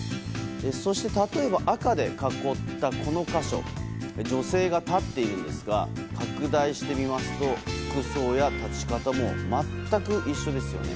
そして例えば赤で囲ったこの箇所女性が立っているんですが拡大して見ますと服装や立ち方も全く一緒ですよね。